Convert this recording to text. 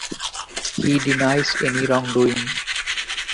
He denies any wrongdoing.